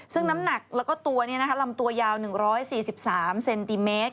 ซึ่งน้ำหนักแล้วก็ตัวลำตัวยาว๑๔๓เซนติเมตร